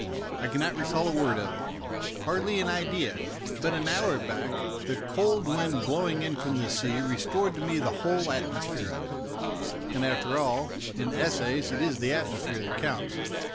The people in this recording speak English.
I can not recall a word of it hardly an idea but an hour back the cold wind blowing in from the sea restored to me the whole atmosphere of it ; and, after all, in essays it is the atmo sphere that counts.